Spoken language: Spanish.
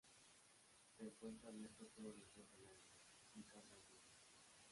Se encuentra abierto todos los días del año, sin cargo alguno.